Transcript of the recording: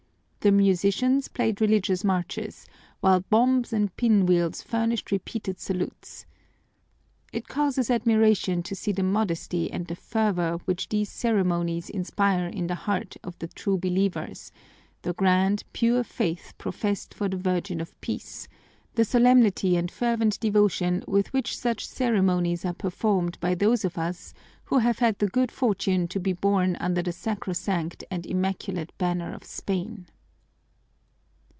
The musicians played religious marches, while bombs and pinwheels furnished repeated salutes. It causes admiration to see the modesty and the fervor which these ceremonies inspire in the hearts of the true believers, the grand, pure faith professed for the Virgin of Peace, the solemnity and fervent devotion with which such ceremonies are performed by those of us who have had the good fortune to be born under the sacrosanct and immaculate banner of Spain.